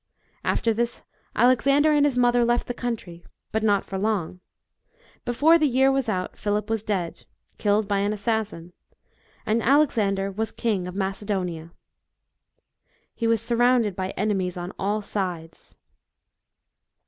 After this, Alexander and his mother left the country. But not for long. Before the year was out Philip was dead killed by an assassin and Alexander wai king of Macedonia. He was surrounded by enemies on all sides.